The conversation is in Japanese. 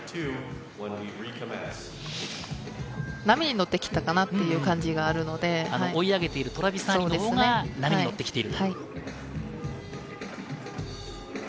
波に乗ってきたかなという感追い上げているトラビサーニのほうが波に乗っている。